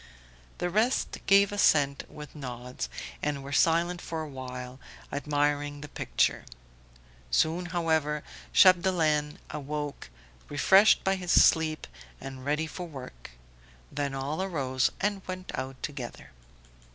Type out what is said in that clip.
The rest gave assent with nods, and were silent for a while, admiring the picture. Soon however Chapdelaine awoke, refreshed by his sleep and ready for work; then all arose and went out together.